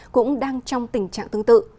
cũng đang trong tình trạng tương tự